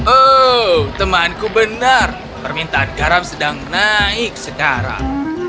oh temanku benar permintaan garam sedang naik sekarang